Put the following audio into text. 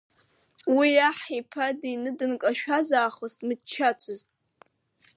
Уи аҳ иԥа дины дынкашәаз аахыс дмыччацызт.